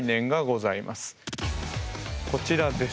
こちらです。